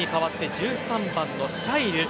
１３番のシャイル